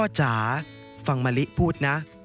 จ๋าฟังมะลิพูดนะ